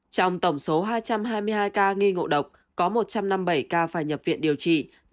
trong tổng số hai trăm hai mươi hai ca nghi ngộ độc có một trăm năm mươi bảy ca phải nhập viện điều trị